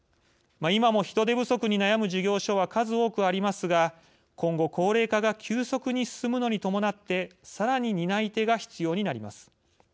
今も人手不足に悩む事業所は数多くありますが今後、高齢化が急速に進むのに伴ってさらに担い手が必要になります。